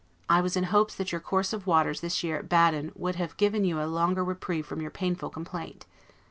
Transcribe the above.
I was in hopes that your course of waters this year at Baden would have given you a longer reprieve from your painful complaint.